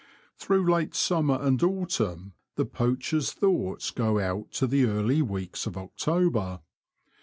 (/^^^H^iPUGHl'dte summer and autumn the Vj5^ poacher's thoughts go out to the early weeks of October.